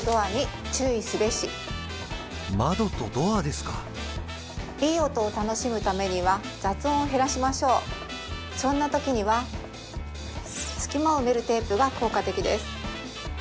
窓とドアですかいい音を楽しむためには雑音を減らしましょうそんなときには隙間を埋めるテープが効果的です